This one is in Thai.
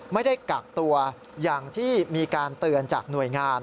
ไม่ได้กักตัวอย่างที่มีการเตือนจากหน่วยงาน